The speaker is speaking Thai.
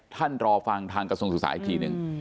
ท่านรอฟังทางกระทรวงสุสายอีกทีนึง